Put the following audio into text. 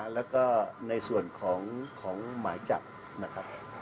แล้วก็ในส่วนของหมายจับนะครับ